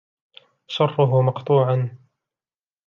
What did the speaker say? شَرُّهُ مَقْطُوعًا